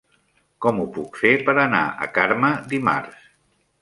Com ho puc fer per anar a Carme dimarts?